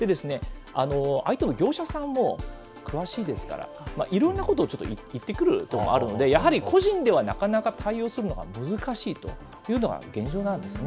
相手の業者さんも詳しいですから、いろんなことをちょっと言ってくるところもあるんで、やはり個人ではなかなか対応するのは難しいというのが現状なんですね。